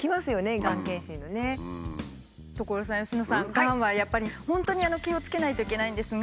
がんはやっぱり本当に気をつけないといけないんですが。